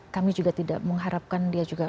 kami juga tidak mengharapkan dia juga